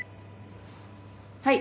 はい。